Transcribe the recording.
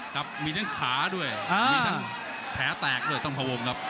ครับมีทั้งขาด้วยมีทั้งแผลแตกด้วยต้องพวงครับ